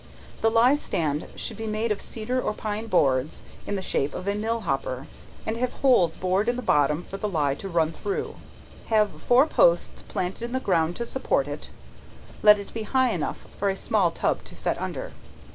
The leystand should be made of cedar or pine boards, in the shape of a mill hopper, and have holes bored in the bottom for the ley to run through; have four posts planted in the ground to support it; let it be high enough for a small tub to set under.